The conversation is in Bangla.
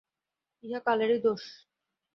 ইহা কালেরই দোষ।